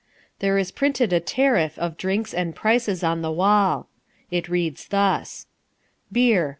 There is printed a tariff of drinks and prices on the wall. It reads thus: Beer